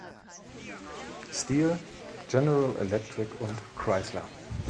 Steel, General Electric und Chrysler.